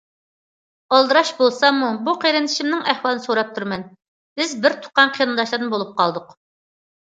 ئالدىراش بولساممۇ بۇ قېرىندىشىمنىڭ ئەھۋالىنى سوراپ تۇرىمەن، بىز بىر تۇغقان قېرىنداشلاردىن بولۇپ قالدۇق.